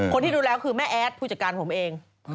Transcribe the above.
คนที่ดูแล้วคือแม่แอดผู้จัดการผมเอง